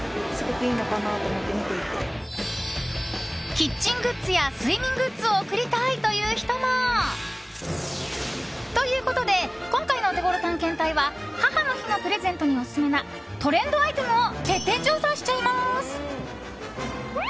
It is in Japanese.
キッチングッズや睡眠グッズを贈りたいという人も。ということで今回のオテゴロ探検隊は母の日のプレゼントにオススメなトレンドアイテムを徹底調査しちゃいます。